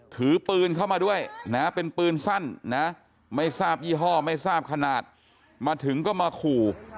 ถือปืนเข้ามาด้วยนะเป็นปืนสั้นนะไม่ทราบยี่ห้อไม่ทราบขนาดมาถึงก็มาขู่